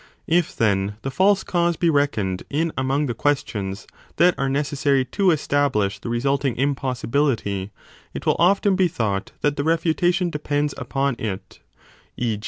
If, then, the false cause be reckoned in among the questions that are necessary to 35 establish the resulting impossibility, it will often be thought that the refutation depends upon it, e.